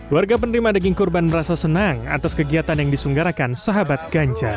warga penerima daging kurban merasa senang atas kegiatan yang disenggarakan sahabat ganjar